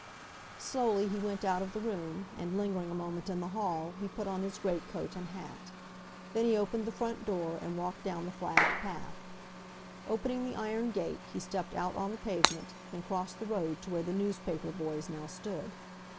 Slowly he went out of the room, and, lingering a moment in the hall, he put on his greatcoat and hat. Then he opened the front door, and walked down the flagged path. Opening the iron gate, he stepped out on the pavement, then crossed the road to where the newspaper boys now stood.